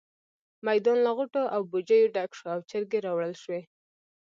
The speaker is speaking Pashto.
میدان له غوټو او بوجيو ډک شو او چرګې راوړل شوې.